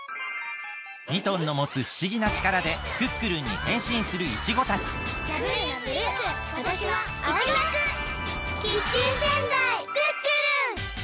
ミトンのもつふしぎなちからでクックルンにへんしんするイチゴたちキッチン戦隊クックルン！